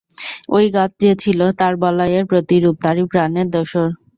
ঐ গাছ যে ছিল তাঁর বলাইয়ের প্রতিরূপ, তারই প্রাণের দোসর।